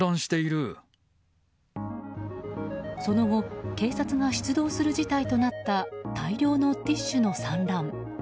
その後警察が出動する事態となった大量のティッシュの散乱。